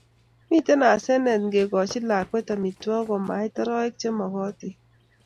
Mitei asenet ngekoch lakwet amitwogik komait oroek che mokotin